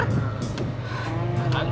kamu sebenarnya lembut